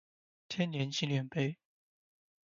千年纪念碑。